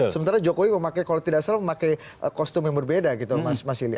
sementara jokowi kalau tidak salah memakai kostum yang berbeda gitu mas masili